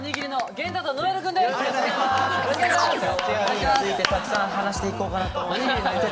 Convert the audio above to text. おにぎりについてたくさん話していこうかなと思います。